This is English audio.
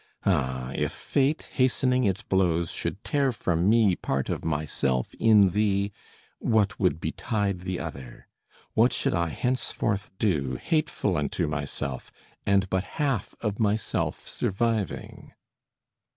Ah! if Fate, hastening its blows, should tear from me part of myself in thee, what would betide the other? What should I henceforth do, hateful unto myself, and but half of myself surviving?"